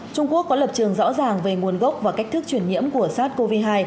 trung quốc có lập trường rõ ràng về nguồn gốc và cách thức chuyển nhiễm của sát covid hai